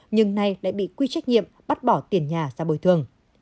nhưng nay lại bị quy trách nhiệm bắt bỏ tiền nhà ra bồi thường